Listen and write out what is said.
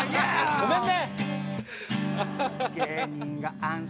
ごめんね！